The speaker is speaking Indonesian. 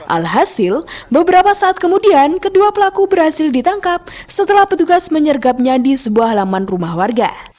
alhasil beberapa saat kemudian kedua pelaku berhasil ditangkap setelah petugas menyergapnya di sebuah halaman rumah warga